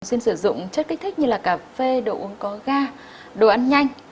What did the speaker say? xuyên sử dụng chất kích thích như là cà phê đồ uống có ga đồ ăn nhanh